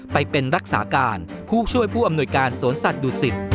ไปเป็นรักษาการผู้ช่วยผู้อำนวยการสวนสัตว์ดุสิต